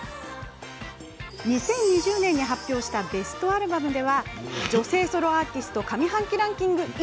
２０２０年に発表したベストアルバムでは女性ソロアーティスト上半期ランキング